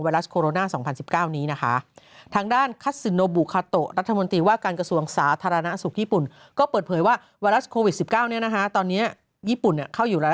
ไวรัสโคโรน่า๒๐๑๙นี้นะคะ